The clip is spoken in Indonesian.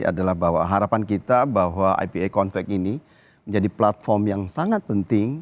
adalah bahwa harapan kita bahwa ipa konflik ini menjadi platform yang sangat penting